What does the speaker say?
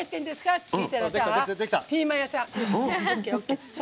って聞いたらピーマン屋さん。